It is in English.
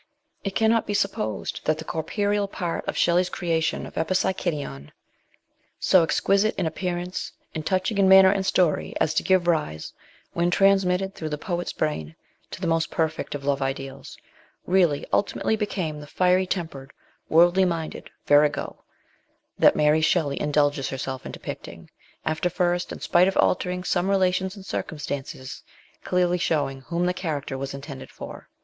It cannot be supposed that the corporeal part of Shelley's creation of JZpipsychidion (so exquisite in appearance and touching in manner and story as to give rise, when transmitted through the poet's brain, to the most per fect of love ideals) really ultimately became the fiery tempered worldly minded virago that Mary Shelley 192 MRS. SHELLEY. indulges herself in depicting, after first, in spite of altering some relations and circumstances, clearly showing whom the character was intended for.